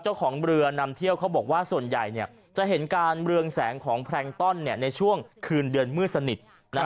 เจ้าของเรือนำเที่ยวเขาบอกว่าส่วนใหญ่จะเห็นการเรืองแสงของแพรงต้อนในช่วงคืนเดือนมืดสนิท